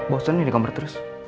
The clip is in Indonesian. bosan nih di kamar terus